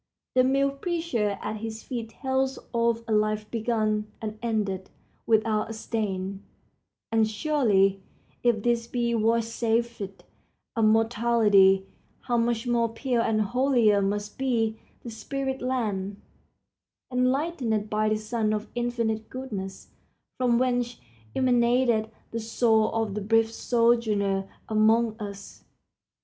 The mute preacher at his feet tells of a life begun and ended without a stain; and surely if this be vouchsafed to mortality, how much more pure and holier must be the spirit land, enlightened by the sun of infinite goodness, from whence emanated the soul of that brief sojourner among us!